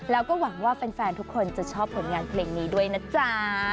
แล้วก็หวังว่าแฟนทุกคนจะชอบผลงานเพลงนี้ด้วยนะจ๊ะ